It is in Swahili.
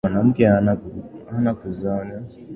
mwanamke hana kuzaa hii ni janga la kweli kwake